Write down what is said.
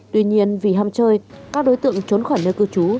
tuy nhiên vì ham chơi các đối tượng trốn khỏi nơi cư trú